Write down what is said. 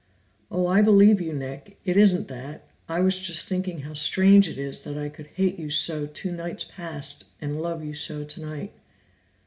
"Oh, I believe you, Nick! It isn't that; I was just thinking how strange it is that I could hate you so two nights past and love you so tonight."